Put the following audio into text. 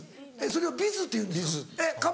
それをビズっていうんですか？